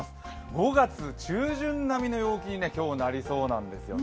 ５月中旬並みの陽気に今日、なりそうなんですよね。